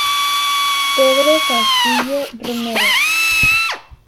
Pedro Castillo Romero.